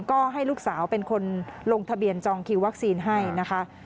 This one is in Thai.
ก็ให้ลูกสาวเป็นคนลงทะเบียนจองคิววัคซีนให้นะคะ